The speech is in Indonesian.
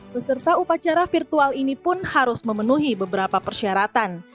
peserta upacara virtual ini pun harus memenuhi beberapa persyaratan